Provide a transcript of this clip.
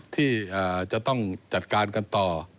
ที่จะต้องจัดการกันต่อ